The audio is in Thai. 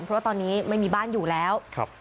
เพราะว่าตอนนี้ไม่มีบ้านอยู่แล้ว